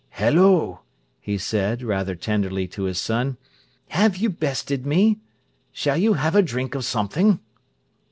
"Hello!" he said rather tenderly to his son. "Have you bested me? Shall you have a drink of something?"